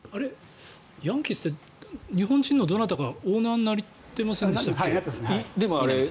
ヤンキースって日本人のどなたかオーナーになってませんでしたっけ？